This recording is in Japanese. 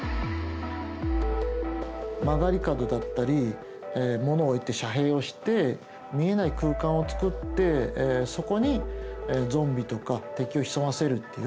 曲がり角だったり物を置いて遮蔽をして見えない空間を作ってそこにゾンビとか敵を潜ませるっていう。